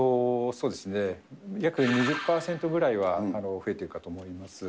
約２０％ぐらいは増えているかと思います。